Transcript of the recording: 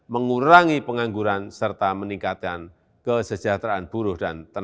mengurangi pengangguran serta meningkatkan kesejahteraan buruh